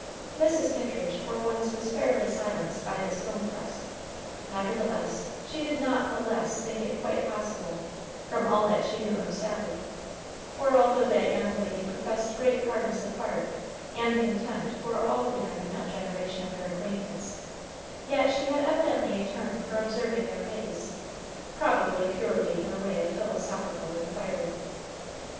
Mrs. Kittridge for once was fairly silenced by this home thrust; nevertheless, she did not the less think it quite possible, from all that she knew of Sally; for although that young lady professed great hardness of heart and contempt for all the young male generation of her acquaintance, yet she had evidently a turn for observing their ways probably purely in the way of philosophical inquiry.